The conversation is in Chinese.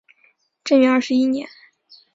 贞元二十一年